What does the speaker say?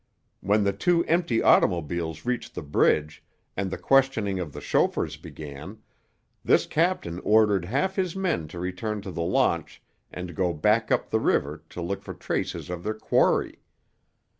When the two empty automobiles reached the bridge, and the questioning of the chauffeurs began, this captain ordered half his men to return to the launch and go back up the river to look for traces of their quarry.